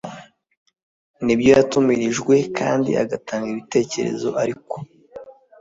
n ibyo yatumirijwe kandi agatanga ibitekerezo ariko